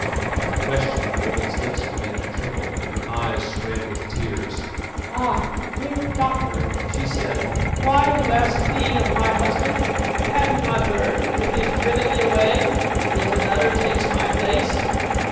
At the question the woman's lips began to tremble, and her eyes swam with tears. "Ah! great doctor," she said, "why do you ask me of my husband? Have you not heard that he has driven me away and that another takes my place?"